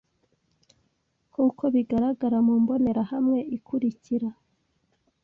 nkuko bigaragara mumbonerahamwe ikurikira